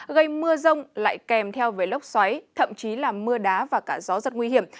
gây mưa rông lại kèm theo về lốc xoáy thậm chí là mưa đá và cả gió rất nguy hiểm